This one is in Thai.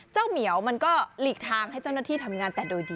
เหมียวมันก็หลีกทางให้เจ้าหน้าที่ทำงานแต่โดยดี